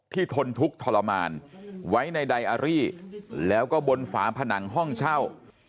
ทนทุกข์ทรมานไว้ในไดอารี่แล้วก็บนฝาผนังห้องเช่า